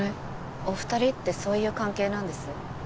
お二人ってそういう関係なんです？